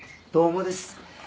どうもです。